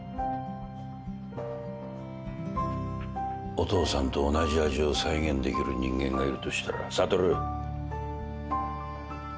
お父さんと同じ味を再現できる人間がいるとしたら悟。